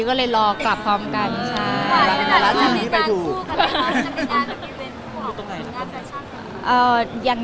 ก็เลยรอกลับพร้อมกันใช่